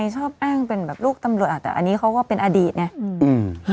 ไมาชอบแอ้งเป็นแบบลูกตำลวยอ่ะแต่อันนี้เขาก็เป็นอดีตเนี่ยอึอ